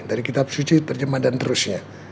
dari kitab suci terjemahkan terusnya